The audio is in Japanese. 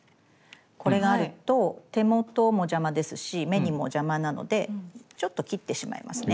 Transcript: これがあると手元も邪魔ですし目にも邪魔なのでちょっと切ってしまいますね。